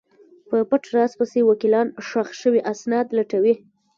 په پټ راز پسې وکیلان ښخ شوي اسناد لټوي.